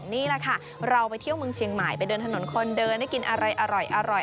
นี่แหละค่ะเราไปเที่ยวเมืองเชียงใหม่ไปเดินถนนคนเดินได้กินอะไรอร่อย